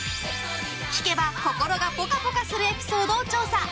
聞けば心がぽかぽかするエピソードを調査。